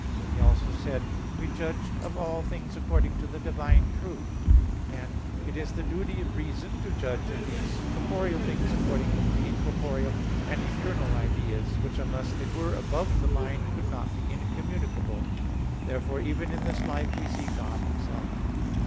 He also says (De Vera Relig. xxx) that, "We judge of all things according to the divine truth"; and (De Trin. xii) that, "it is the duty of reason to judge of these corporeal things according to the incorporeal and eternal ideas; which unless they were above the mind could not be incommutable." Therefore even in this life we see God Himself.